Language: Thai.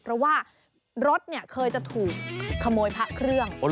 เพราะว่ารถเคยจะถูกขโมยพระเครื่อง